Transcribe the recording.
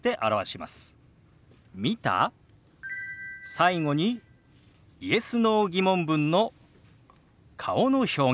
最後にＹｅｓ／Ｎｏ−疑問文の顔の表現。